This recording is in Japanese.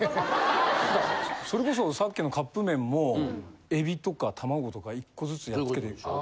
それこそさっきのカップ麺もエビとか玉子とか１個ずつやっつけていくでしょ。